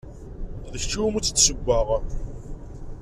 D kečč umi tt-id-ssewweɣ.